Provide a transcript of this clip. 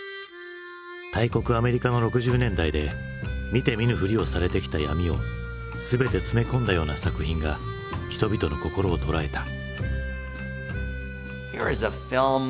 大国アメリカの６０年代で見て見ぬふりをされてきた闇を全て詰め込んだような作品が人々の心を捉えた。